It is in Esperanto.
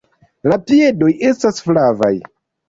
La piedoj estas flavaj.